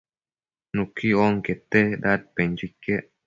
nuqui onquete dadpenquio iquec